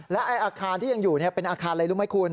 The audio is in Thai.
และอาคารที่ยังอยู่เป็นอาคารอะไรรู้ไหมคุณ